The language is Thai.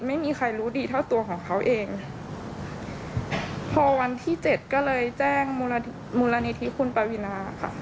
ไม่มีใครรู้ดีเท่าตัวของเขาเองพอวันที่เจ็ดก็เลยแจ้งมูลมูลนิธิคุณปวินาค่ะ